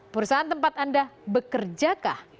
perusahaan tempat anda bekerjakah